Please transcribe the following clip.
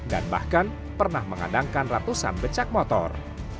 dan bahkan pernah mengandangkan ratusan becak motor